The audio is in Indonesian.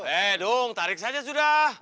eh dong tarik saja sudah